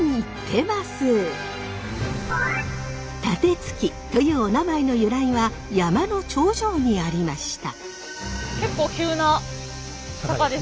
楯築というおなまえの由来は山の頂上にありました。